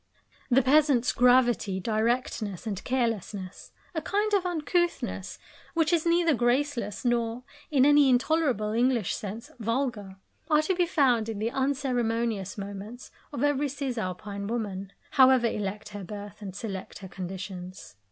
The peasant's gravity, directness, and carelessness a kind of uncouthness which is neither graceless nor, in any intolerable English sense, vulgar are to be found in the unceremonious moments of every cisalpine woman, however elect her birth and select her conditions.